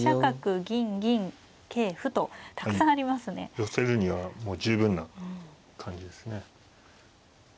寄せるにはもう十分な感じですね。